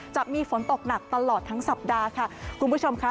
จะมีฝนตกหนักตลอดทั้งสัปดาห์ค่ะคุณผู้ชมค่ะ